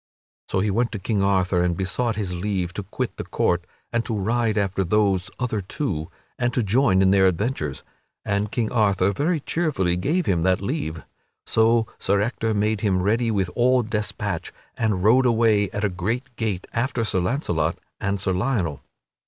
So he went to King Arthur and besought his leave to quit the court and to ride after those other two and to join in their adventures, and King Arthur very cheerfully gave him that leave. So Sir Ector made him ready with all despatch, and rode away at a great gait after Sir Launcelot and Sir Lionel.